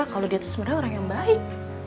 kalau dia tuh sebenernya orang yang baik